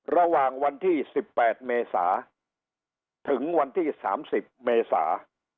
ระหว่างวันที่๑๘เมษาถึงวันที่๓๐เมษา